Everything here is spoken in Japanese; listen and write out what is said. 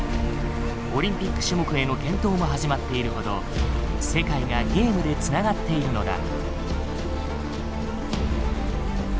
オリンピック種目への検討も始まっているほど世界がゲームで繋がっているのだ。